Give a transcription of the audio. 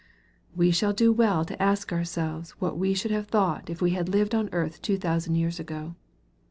We shall do well to ask ourselves what we should have thought if we had lived on earth two thousand years ago.